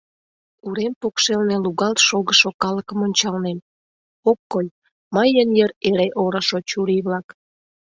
Урем покшелне лугалт шогышо калыкым ончалнем, ок кой, мыйын йыр эре орышо чурий-влак.